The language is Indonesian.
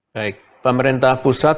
baik pemerintah pusat